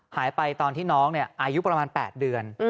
หายไปตอนที่น้องอายุประมาณ๘เดือน